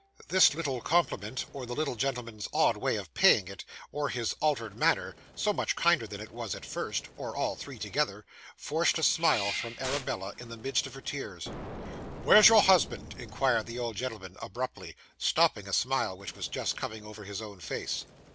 This little compliment, or the little gentleman's odd way of paying it, or his altered manner so much kinder than it was, at first or all three together, forced a smile from Arabella in the midst of her tears. 'Where's your husband?' inquired the old gentleman, abruptly; stopping a smile which was just coming over his own face.